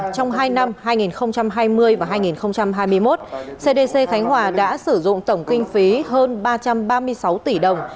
trong hai năm hai nghìn hai mươi và hai nghìn hai mươi một cdc khánh hòa đã sử dụng tổng kinh phí hơn ba trăm ba mươi sáu tỷ đồng